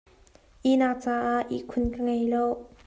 Ihnak caah ihkhun ka ngei lo.